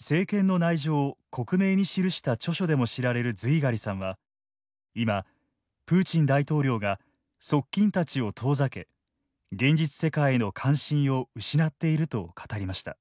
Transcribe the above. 政権の内情を克明に記した著書でも知られるズィーガリさんは今プーチン大統領が側近たちを遠ざけ現実世界への関心を失っていると語りました。